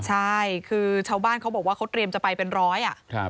ใช่คือชาวบ้านเขาบอกว่าเขาเตรียมจะไปเป็นร้อยอ่ะ